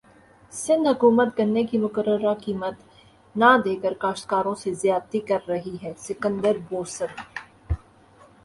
سندھ حکومت گنے کی مقررہ قیمت نہ دیکر کاشتکاروں سے زیادتی کر رہی ہے سکندر بوسن